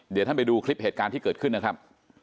เดี๋ยวท่านไปดูคลิปเหตุการณ์ที่เกิดขึ้นนะครับ